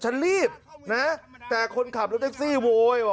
ฉันรีบนะแต่คนขับรถแท็กซี่โวย